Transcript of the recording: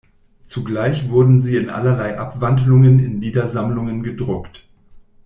Zugleich wurden sie in allerlei Abwandlungen in Liedersammlungen gedruckt.